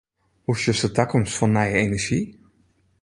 Hoe sjochst de takomst fan nije enerzjy?